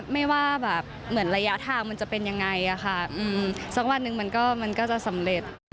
ไม่ว่าแบบเหมือนระยะทางมันจะเป็นยังไงอะค่ะสักวันหนึ่งมันก็จะสำเร็จ